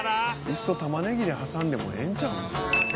「いっそたまねぎで挟んでもええんちゃうの？」